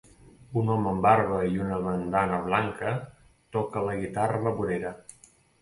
Un home amb barba i una bandana blanca toca la guitarra a la vorera.